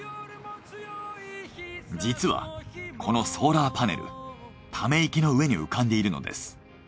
実はこのソーラーパネルため池の上に浮かんでいるのです。